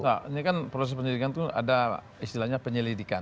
nah ini kan proses penyelidikan itu ada istilahnya penyelidikan